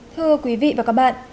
thưa quý vị và các bạn